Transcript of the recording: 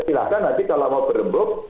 silahkan nanti kalau mau berembuk